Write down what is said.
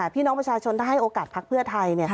พี่น้องประชาชนถ้าให้โอกาสพักเพื่อไทย